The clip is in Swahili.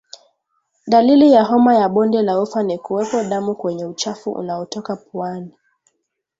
Dalili ya homa ya bonde la ufa ni kuwepo damu kwenye uchafu unaotoka puani